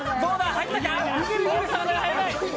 入ったか？